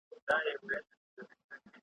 مخ په لوري د منبر سو